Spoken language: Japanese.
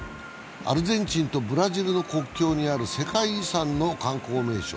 アルゼンチンとブラジルの国境にある世界遺産の観光名所